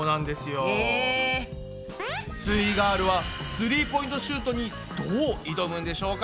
すイガールはスリーポイントシュートにどう挑むんでしょうか？